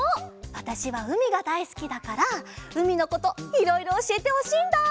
わたしはうみがだいすきだからうみのこといろいろおしえてほしいんだ。